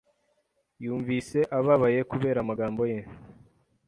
Yumvise ababaye kubera amagambo ye.